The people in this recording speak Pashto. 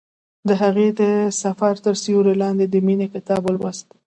هغې د سفر تر سیوري لاندې د مینې کتاب ولوست.